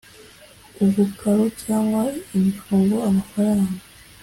ubukaro cyangwa imifungo(amafaranga)